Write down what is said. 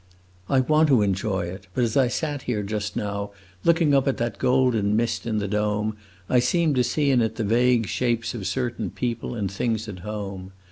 "I want to enjoy it; but as I sat here just now, looking up at that golden mist in the dome, I seemed to see in it the vague shapes of certain people and things at home.